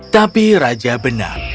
tapi raja benar